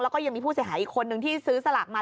แล้วก็ยังมีผู้เสียหายอีกคนนึงที่ซื้อสลากมา